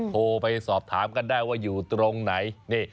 โทรไปสอบถามกันได้ว่าอยู่ตรงไหน